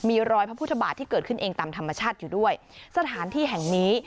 มีรอยพระพุทธบาทที่เกิดขึ้นเองตามธรรมชาติอยู่ด้วยสถานที่แห่งนี้